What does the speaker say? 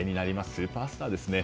スーパースターですね。